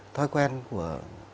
thói quen của